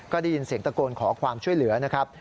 ก็ได้ยินเสียงตะโกนขอความช่วยเหลือนะครับ